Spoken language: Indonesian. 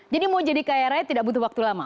jadi mau jadi kaya raya tidak butuh waktu lama